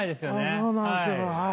そうなんですよはい。